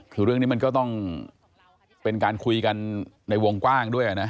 คือเรื่องนี้มันก็ต้องเป็นการคุยกันในวงกว้างด้วยนะ